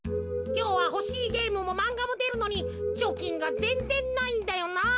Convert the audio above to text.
きょうはほしいゲームもまんがもでるのにちょきんがぜんぜんないんだよなあ。